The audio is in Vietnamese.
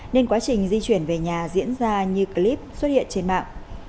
nên quá trình di chuyển về nhà diễn ra như clip xuất hiện trên mạng